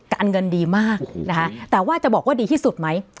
การเงินดีมากนะคะแต่ว่าจะบอกว่าดีที่สุดไหม